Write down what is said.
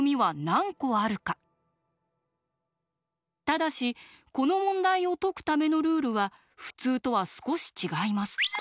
ただしこの問題を解くためのルールは普通とは少し違います。